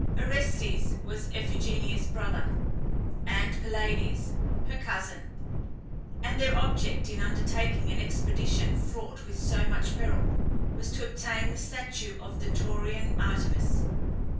Orestes was Iphigenia's brother, and Pylades her cousin, and their object in undertaking an expedition fraught with so much peril, was to obtain the statue of the Taurian Artemis.